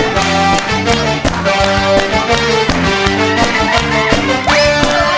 เต้นสักพักนึงก่อน